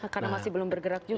karena masih belum bergerak juga